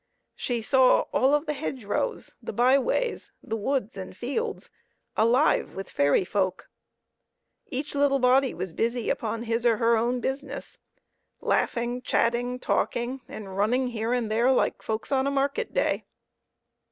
She saw all of the hedge rows, the by ways, the woods and fields alive with fairy folk. Each little body was busy upon his or her own business, laughing, chatting, talking, and running here and there like folks on a market day.